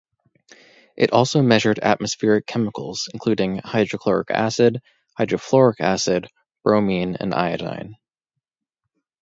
It also measured atmospheric chemicals including hydrochloric acid, hydrofluoric acid, bromine and iodine.